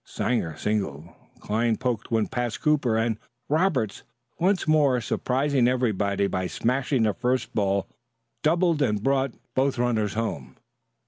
Sanger singled; Cline poked one past Cooper; and Roberts, once more surprising everybody by smashing the first ball, doubled and brought both runners home.